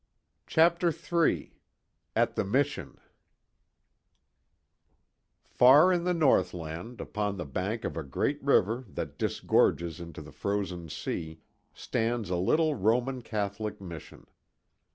CHAPTER III AT THE MISSION Far in the Northland, upon the bank of a great river that disgorges into the frozen sea, stands a little Roman Catholic Mission.